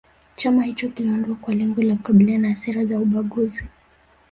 chama hicho kiliundwa kwa lengo la kukabiliana na sera za ubaguzi